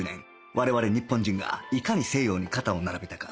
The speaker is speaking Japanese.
我々日本人がいかに西洋に肩を並べたか